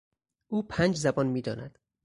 او پنج زبان میداند.